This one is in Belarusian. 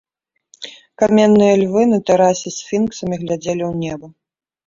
Каменныя львы на тэрасе сфінксамі глядзелі ў неба.